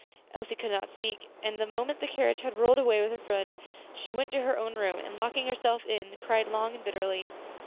Elsie could not speak; and the moment the carriage had rolled away with her friend, she went to her own room, and locking herself in, cried long and bitterly.